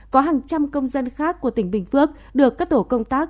có hàng trăm công dân khác của tỉnh bình phước được các tổ công tác